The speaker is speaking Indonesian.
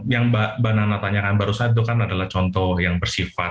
yang mbak nana tanyakan barusan itu kan adalah contoh yang bersifat